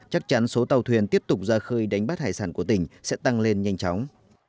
chắc chắn số tàu thuyền tiếp tục ra khơi đánh bắt hải sản của tỉnh sẽ tăng lên nhanh chóng